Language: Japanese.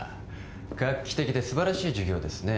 画期的で素晴らしい事業ですね